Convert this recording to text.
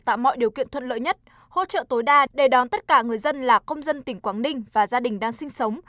tạo mọi điều kiện thuận lợi nhất hỗ trợ tối đa để đón tất cả người dân là công dân tỉnh quảng ninh và gia đình đang sinh sống